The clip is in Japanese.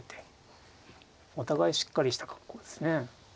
お互いしっかりした格好ですね。